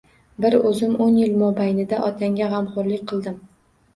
Bir o`zim o`n yil mobaynida otangga g`amxo`rlik qildim